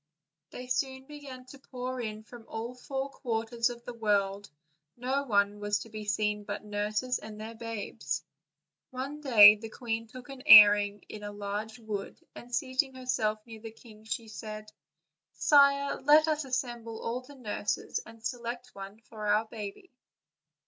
They soon began to pour in from all the four quarters of the world; no one was to be seen but nurses and their babes. One day the queen took an airing in a large wood, and, seating herself near the king, said: "Sire, let us assemble ail the nurses and select one for our baby."